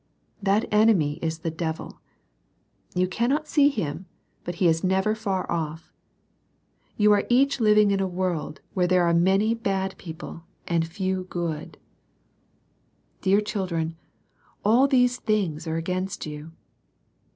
That enemy is the devil. You cannot see him. But he is never far off. You are each living in a world where there are many bad people, and few ^yyL ^ 50 SERMONS FOR CHILDREN. Dear children, all these things are against you.